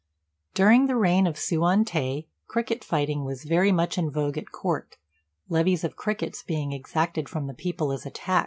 During the reign of Hsüan Tê, cricket fighting was very much in vogue at court, levies of crickets being exacted from the people as a tax.